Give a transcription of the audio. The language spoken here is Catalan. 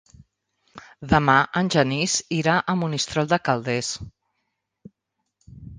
Demà en Genís irà a Monistrol de Calders.